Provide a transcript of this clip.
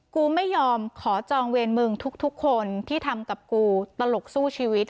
กูไม่ยอมขอจองเวรมึงทุกคนที่ทำกับกูตลกสู้ชีวิต